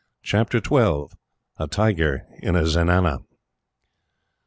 Chapter 12: A Tiger In A Zenana.